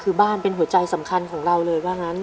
คือบ้านเป็นหัวใจสำคัญของเราเลยว่างั้น